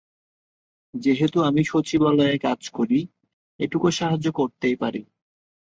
যেহেতু আমি সচিবালয়ে কাজ করি, এটুকু সাহায্য করতেই পারি।